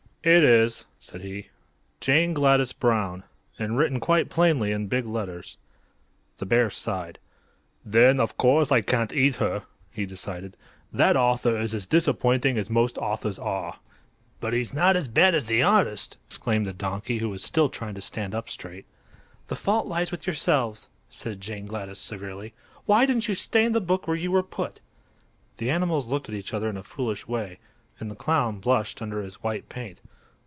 "It is," said he. "'Jane Gladys Brown;' and written quite plainly in big letters." The bear sighed. "Then, of course, I can't eat her," he decided. "That author is as disappointing as most authors are." "But he's not as bad as the artist," exclaimed the donkey, who was still trying to stand up straight. "The fault lies with yourselves," said Jane Gladys, severely. "Why didn't you stay in the book, where you were put?" The animals looked at each other in a foolish way, and the clown blushed under his white paint.